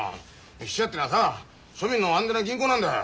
質屋ってのはさ庶民の安全な銀行なんだ。